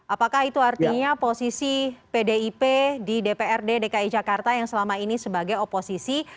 apakah itu artinya posisi pdip di dprd dki jakarta yang selama ini sebagai oposisi